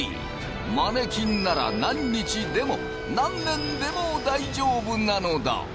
マネキンなら何日でも何年でも大丈夫なのだ。